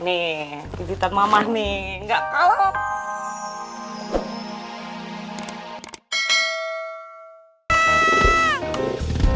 nih pijitan mama nih nggak apa apa